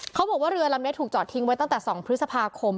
เขาบอกว่าเรือลำนี้ถูกจอดทิ้งไว้ตั้งแต่๒พฤษภาคม